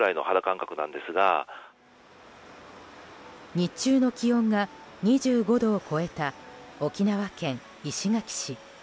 日中の気温が２５度を超えた沖縄県石垣市。